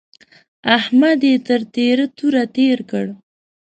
احمد يې تر تېره توره تېر کړ.